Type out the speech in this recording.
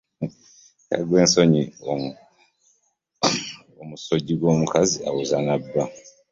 Kaggwe ensonji ng'omukazi awoza ne bba .